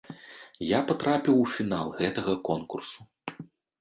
Я патрапіў у фінал гэтага конкурсу.